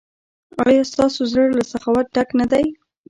ایا ستاسو زړه له سخاوت ډک نه دی؟